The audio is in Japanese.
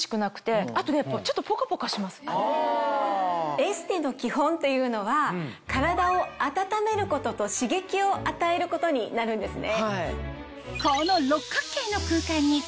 エステの基本っていうのは体を温めることと刺激を与えることになるんですね。